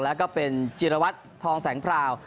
แล้วก็เป็นจิรวัตรทองแสงพราว